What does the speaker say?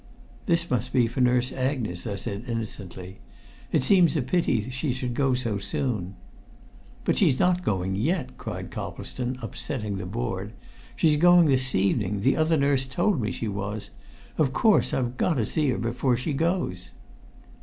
"This must be for Nurse Agnes," I said innocently. "It seems a pity she should go so soon." "But she's not going yet!" cried Coplestone, upsetting the board. "She's going this evening; the other nurse told me she was. Of course I've got to see her before she goes!"